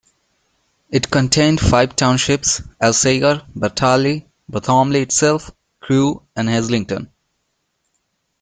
It contained five townships: Alsager, Balterley, Barthomley itself, Crewe, and Haslington.